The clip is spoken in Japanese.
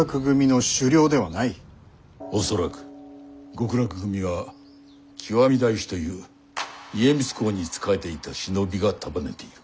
極楽組は極大師という家光公に仕えていた忍びが束ねている。